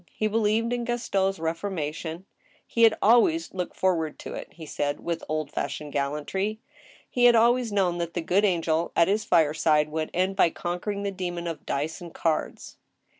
He believed in Gaston's reformation. He had always looked forward to it, he said, with old fashioned gallantry. He had always known that the good angel at his fireside would end by conquering the demon of dice and cards.